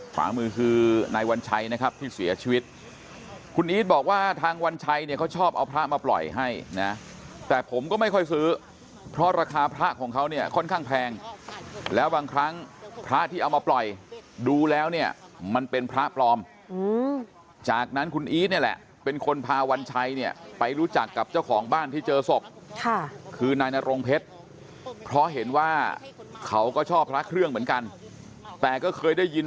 ขวามือคือในวันชัยนะครับที่เสียชีวิตคุณอีทบอกว่าทางวันชัยเนี่ยเขาชอบเอาพระมาปล่อยให้นะแต่ผมก็ไม่ค่อยซื้อเพราะราคาพระของเขาเนี่ยค่อนข้างแพงแล้วบางครั้งพระที่เอามาปล่อยดูแล้วเนี่ยมันเป็นพระปลอมจากนั้นคุณอีทเนี่ยแหละเป็นคนพาวันชัยเนี่ยไปรู้จักกับเจ้าของบ้านที่เจอศพค่ะคือนายน